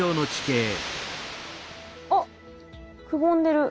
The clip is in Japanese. あっくぼんでる。